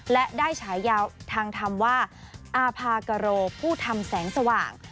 และได้ฉายาวทางธรรมว่าอาภากโรผู้ทำแสงสว่าง